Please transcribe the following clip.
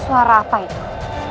suara apa itu